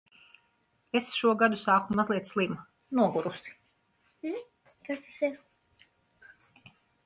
Es šo gadu sāku mazliet slima, nogurusi.